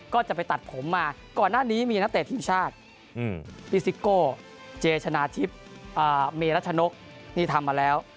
ก็จะไปตัดผมมาก่อนหน้านี้มีนักเตะทีมชาติฟิซิโก้เจชนะทิพย์เมรัชนกนี่ทำมาแล้ว